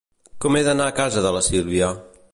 Com he d'anar a casa de la Sílvia?